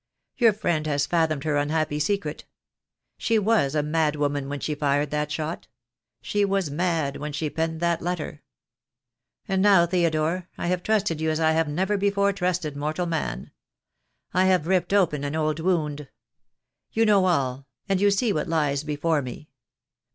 Your friend has fathomed her unhappy secret. She was a madwoman when she fired that shot. She was mad when she penned that letter. And now, Theodore, I have trusted you as I have never before trusted mortal man. I have ripped open an old wound. You know all, and you see what lies before me.